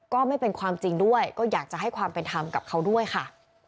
ก็ไม่เป็นความจริงด้วยก็อยากจะให้ความเป็นธรรมกับเขาด้วยค่ะ